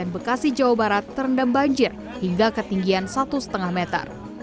bekasi jawa barat terendam banjir hingga ketinggian satu lima meter